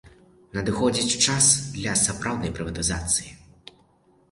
Надыходзіць час для сапраўднай прыватызацыі.